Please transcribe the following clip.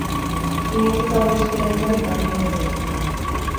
Inoiz ez da gure estiloa izan eta orain ere ez da izango.